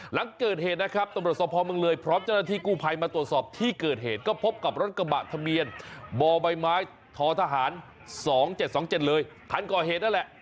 หลังเกิดเหตุนะครับตำรวจสมภาพเมืองเลยพร้อมเจ้าหน้าที่กู้ภัยมาตรวจสอบที่เกิดเหตุก็พบกับรถกระบะทะเบียนบ่อใบไม้ท้อทหาร๒๗๒๗เลยคันก่อเหตุนั่นแหละ